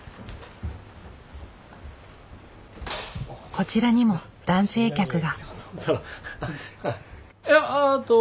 こちらにも男性客が。